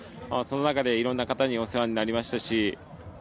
その中でいろいろな方にお世話になりましたし。